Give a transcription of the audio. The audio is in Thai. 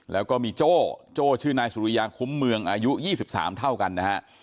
แล้วก็มีโจ้โจ้ชื่อนายสุริยาคุ้มเมืองอายุ๒๓เท่ากันนะฮะ